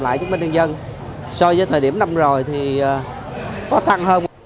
lại chứng minh nhân dân so với thời điểm năm rồi thì có tăng hơn